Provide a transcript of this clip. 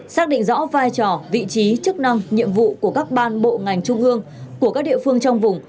xác định rõ vai trò vị trí chức năng nhiệm vụ của các ban bộ ngành trung ương của các địa phương trong vùng